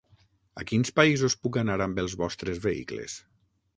A quins països puc anar amb els vostres vehicles?